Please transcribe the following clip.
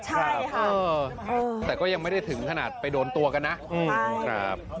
ครับเออแต่ก็ยังไม่ได้ถึงขนาดไปโดนตัวกันนะครับ